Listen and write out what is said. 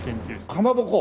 かまぼこ？